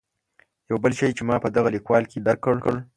یو بل شی چې ما په دغه لیکوال کې درک کړ.